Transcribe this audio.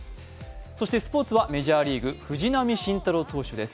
そしてスポーツは、メジャーリーグ、藤浪晋太郎投手です。